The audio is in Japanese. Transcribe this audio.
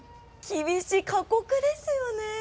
厳しい、過酷ですよね！